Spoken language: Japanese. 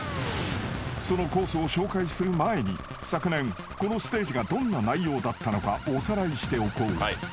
［そのコースを紹介する前に昨年このステージがどんな内容だったのかおさらいしておこう］